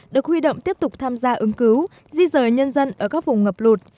được huy động tiếp tục tham gia ứng cứu di rời nhân dân ở các vùng ngập lụt